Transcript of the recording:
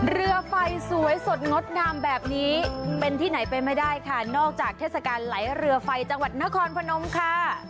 เรือไฟสวยสดงดงามแบบนี้เป็นที่ไหนไปไม่ได้ค่ะนอกจากเทศกาลไหลเรือไฟจังหวัดนครพนมค่ะ